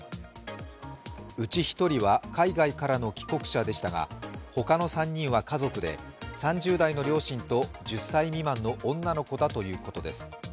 うち１人は海外からの帰国者でしたが他の３人は家族で、３０代の両親と１０歳未満の女の子だということです。